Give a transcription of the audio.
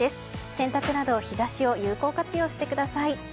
洗濯など日差しを有効活用してください。